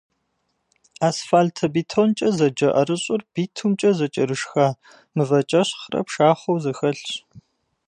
Асфальтобетонкӏэ зэджэ ӏэрыщӏыр битумкӏэ зэкӏэрышха мывэкӏэщхърэ пшахъуэу зэхэлъщ.